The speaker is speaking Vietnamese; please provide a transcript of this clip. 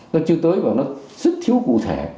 nó chưa tới và nó rất thiếu cụ thể